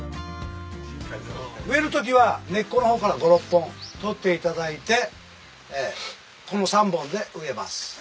植える時は根っこの方から５６本取って頂いてこの３本で植えます。